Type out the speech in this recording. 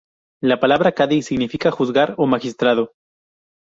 La palabra "cadí" significa "juzgar" o "magistrado".